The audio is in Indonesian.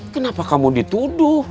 kenapa kamu dituduh